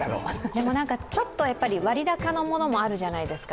でもちょっと割高のものもあるじゃないですか。